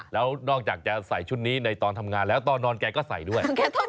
แล้วนอกจากจะใส่ชุดนี้ในตอนทำงานแล้วตอนนอนแกก็ใส่ด้วย